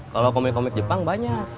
kalau komik komik jepang banyak